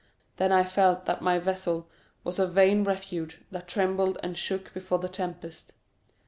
Then I felt that my vessel was a vain refuge, that trembled and shook before the tempest.